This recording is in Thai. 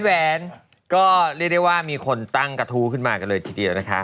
แหวนก็เรียกได้ว่ามีคนตั้งกระทู้ขึ้นมากันเลยทีเดียวนะคะ